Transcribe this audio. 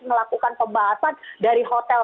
melakukan pembahasan dari hotel